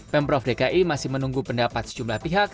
pemprov dki masih menunggu pendapat sejumlah pihak